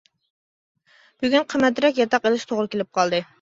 بۈگۈن قىممەترەك ياتاق ئېلىشقا توغرا كېلىپ قالدى.